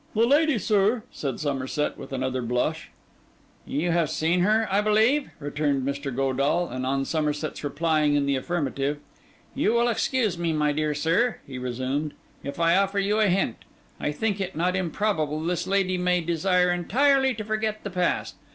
'The lady, sir,' said Somerset, with another blush. 'You have seen her, I believe?' returned Mr. Godall; and on Somerset's replying in the affirmative, 'You will excuse me, my dear sir,' he resumed, 'if I offer you a hint. I think it not improbable this lady may desire entirely to forget the past.